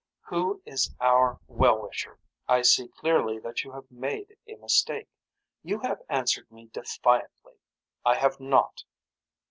Who is our well wisher. I see clearly that you have made a mistake. You have answered me defiantly. I have not.